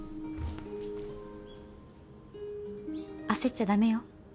焦っちゃ駄目よ。